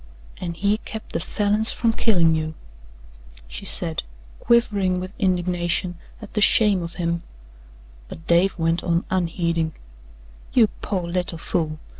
"An' he kept the Falins from killin' you," she said, quivering with indignation at the shame of him, but Dave went on unheeding: "You pore little fool!